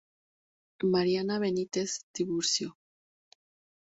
Mariana Benítez Tiburcio.